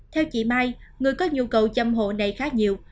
theo chị mai người có nhu cầu chăm hộ này khá nhiều